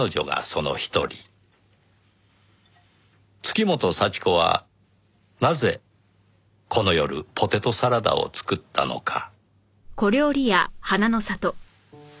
月本幸子はなぜこの夜ポテトサラダを作ったのか